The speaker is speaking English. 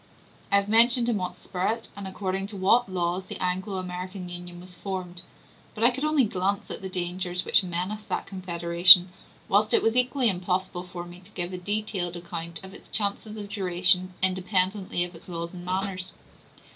I have mentioned in what spirit, and according to what laws, the Anglo American Union was formed; but I could only glance at the dangers which menace that confederation, whilst it was equally impossible for me to give a detailed account of its chances of duration, independently of its laws and manners.